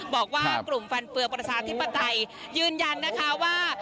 บอกว่ากลุ่มฟันเฟือประชาธิปไตยยืนยันนะคะว่า